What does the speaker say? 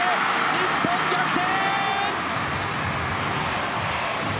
日本、逆転。